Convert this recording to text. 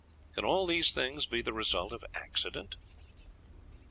Can all these things be the result of accident?